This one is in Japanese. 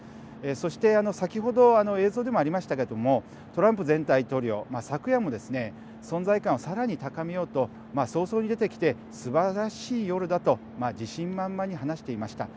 そして、先ほど映像にもありましたけどもトランプ前大統領、昨夜もですね存在感を、さらに高めようと早々に出てきてすばらしい夜だと自信満々に話していました。